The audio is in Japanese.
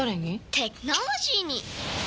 テクノロジーに！